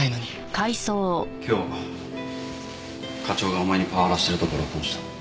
今日課長がお前にパワハラしてるとこ録音した。